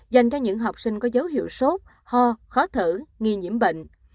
dành cho những học sinh có dấu hiệu sốt ho khó thở nghi nhiễm bệnh